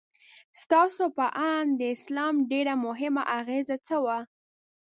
ستاسو په اند د اسلام ډېره مهمه اغیزه څه وه؟